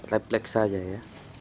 refleks saja ya